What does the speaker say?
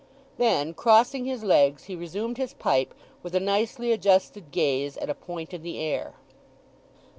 Then, crossing his legs, he resumed his pipe with a nicely adjusted gaze at a point in the air.